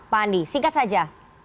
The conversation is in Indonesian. pak andi singkat saja